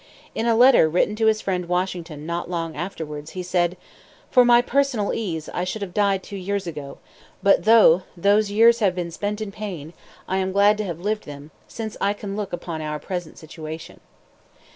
In a letter written to his friend Washington not long afterwards, he said: "For my personal ease I should have died two years ago; but though those years have been spent in pain, I am glad to have lived them, since I can look upon our present situation."